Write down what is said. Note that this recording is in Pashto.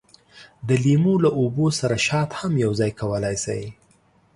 د لیمو له اوبو سره شات هم یوځای کولای شئ.